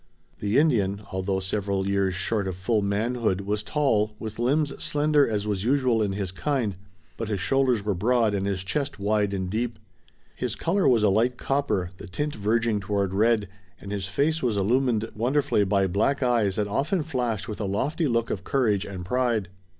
The Indian, although several years short of full manhood, was tall, with limbs slender as was usual in his kind; but his shoulders were broad and his chest wide and deep. His color was a light copper, the tint verging toward red, and his face was illumined wonderfully by black eyes that often flashed with a lofty look of courage and pride.